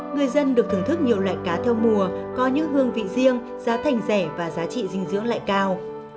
người dân được thưởng thức nhiều loại cá theo mùa có những hương vị riêng giá thành rẻ và giá trị dinh dưỡng lại cao